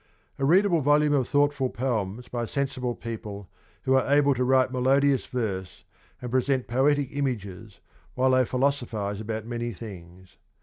A readable volume of thoughtful poems by sensible people who are able to write melodious verse and present poetic images while they philosophize about many things.